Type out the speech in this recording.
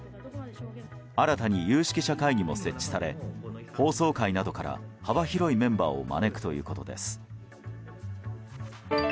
新たに有識者会議も設置され法曹界などから幅広いメンバーを招くということです。